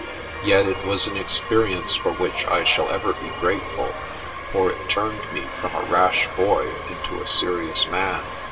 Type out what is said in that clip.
Yet it was an experience for which I shall ever be grateful, for it turned me from a rash boy into a serious man.